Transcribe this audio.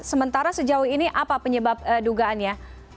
sementara sejauh ini apa penyebab dugaannya